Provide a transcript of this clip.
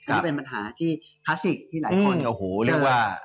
อันนี้เป็นปัญหาที่คลาสสิกที่หลายคน